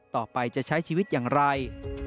ต่อไปจะใช้ชีวิตอย่างไร